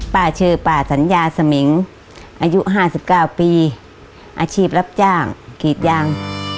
ป้าชื่อป้าสัญญาสมิงอายุ๕๙ปีอาชีพรับจ้างกรีดยาง